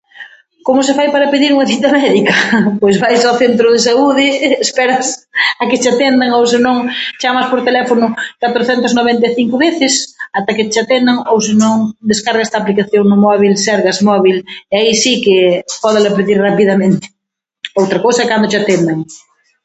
Como se fai para pedir unha cita médica? Pois vaise ao centro de saúde, esperas a que che atendan ou se non chamas por teléfono catrocentas noventa e cinco veces ata que che atendan ou se non descargaste a aplicación no móbil, Sergas móbil, e aí si que pódela pedir rapidamente, outra cousa é cando che atendan.